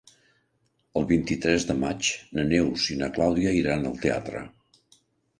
El vint-i-tres de maig na Neus i na Clàudia iran al teatre.